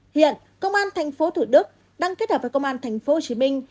hiện công an tp thủ đức đăng kết hợp với công an tp hồ chí minh